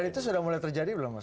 dan itu sudah mulai terjadi belum mas